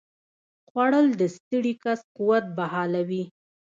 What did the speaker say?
خوړل د ستړي کس قوت بحالوي